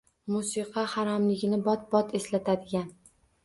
Musiqa haromligini bot-bot eslatadigan.